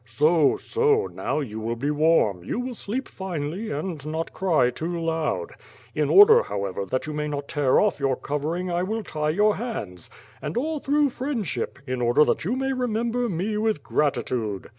So, so! now, you will be warm; you will sleep finely, and not cry too loud. In order, however, that you may not tear off your covering I will tie your hands, and all through friendship, in order that you may remember me with gratitude."